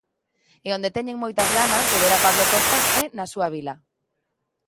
E onde teñen moitas ganas de ver a Pablo Costas é na súa vila.